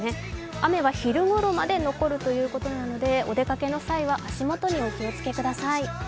雨は昼頃まで残るということなので、お出かけの際は足元にお気をつけください。